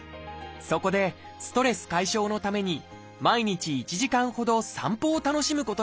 そこでストレス解消のために毎日１時間ほど散歩を楽しむことにしました。